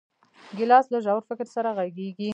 ګیلاس له ژور فکر سره غږېږي.